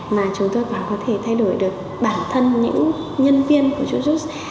mà chúng tôi cũng có thể thay đổi được bản thân những nhân viên của chujujus